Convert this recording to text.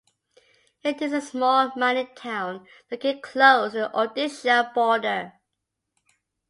It is a small mining town located close to the Odisha border.